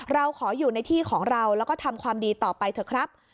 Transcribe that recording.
เราขออยู่ในที่ของเราแล้วก็ทำความดีต่อไปเถอะครับ